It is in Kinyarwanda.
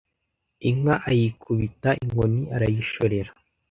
inka ayikubita inkoni, arayishorera,